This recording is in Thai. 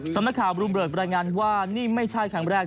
สำนักข่าวบรุมเลิศรายงานว่านี่ไม่ใช่ครั้งแรก